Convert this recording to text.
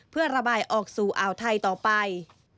เพื่อระบายออกสู่อ่าวไทยต่อไป